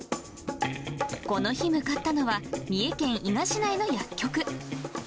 この日、向かったのは、三重県伊賀市内の薬局。